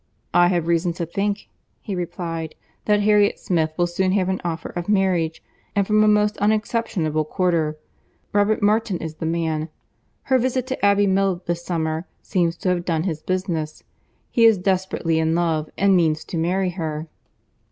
"I have reason to think," he replied, "that Harriet Smith will soon have an offer of marriage, and from a most unexceptionable quarter:—Robert Martin is the man. Her visit to Abbey Mill, this summer, seems to have done his business. He is desperately in love and means to marry her."